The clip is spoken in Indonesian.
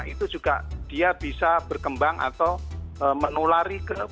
itu juga dia bisa berkembang atau menulari ke